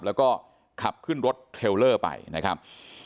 แล้วก็ขับขึ้นรถเทลเลอร์ไปนะครับ